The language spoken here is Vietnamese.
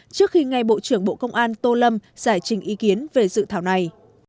trước khi ngay bộ trưởng bộ công an tô lâm giải trình ý kiến về dự thảo này